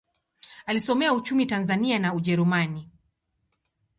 Alisomea uchumi Tanzania na Ujerumani.